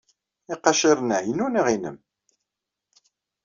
Iqaciren-a inu neɣ nnem?